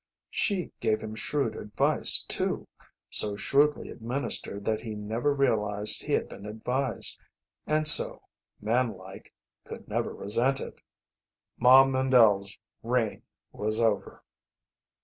She gave him shrewd advice, too, so shrewdly administered that he never realized he had been advised, and so, man like, could never resent it. Ma Mandle's reign was over.